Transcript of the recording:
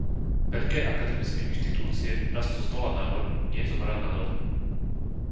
Veľké akademické inštitúcie rastú zdola nahor, nie zhora nadol.